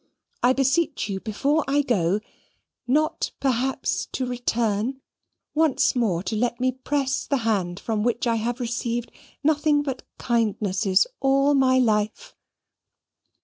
I beseech you before I go, not perhaps to return, once more to let me press the hand from which I have received nothing but kindnesses all my life."